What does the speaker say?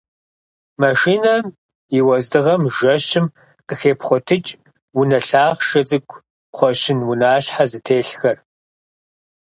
Машинэм и уэздыгъэм жэщым къыхепхъуэтыкӏ унэ лъахъшэ цӏыкӏу кхъуэщын унащхьэ зытелъхэр.